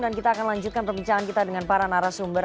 dan kita akan lanjutkan perbincangan kita dengan para narasumber